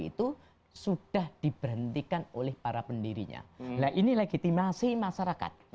itu sudah diberhentikan oleh para pendirinya nah ini legitimasi masyarakat